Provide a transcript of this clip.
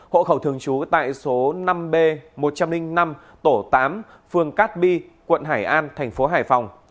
hậu khẩu thường trú tại số năm b một trăm linh năm tổ tám phường cát bi quận hải an tp hải phòng